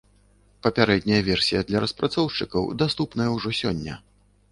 Папярэдняя версія для распрацоўшчыкаў даступная ўжо сёння.